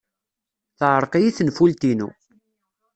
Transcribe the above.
Teɛreq-iyi tenfult-inu.